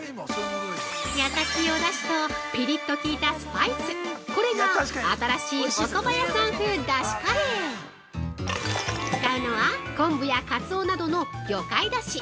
◆優しいお出汁とピリっときいたスパイスこれが新しいおそば屋さん風出汁カレー。使うのは昆布やカツオなどの魚介出汁。